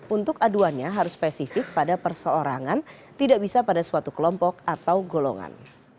untuk aduannya harus spesifik pada perseorangan tidak bisa pada suatu kelompok atau golongan